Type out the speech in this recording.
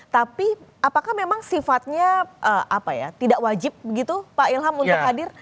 tapi apakah memang sifatnya tidak wajib begitu pak ilham untuk hadir